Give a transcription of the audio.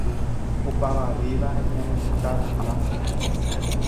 Opavavéva ñanembotavypa.